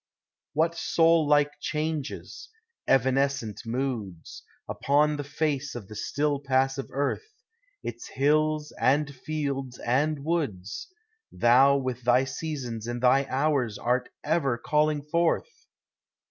What soul like changes, evanescent moods, Upon the face of the still passive earth, Its hills, and fields, and woods, Thou with thy seasons and thy hours art ever call ing forth